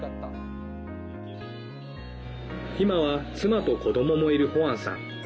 今は妻と子どももいるホァンさん。